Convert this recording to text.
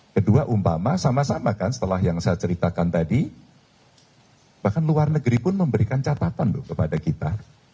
kedua umpama sama sama kan setelah yang saya ceritakan tadi bahkan luar negeri pun memberikan catatan loh kepada kita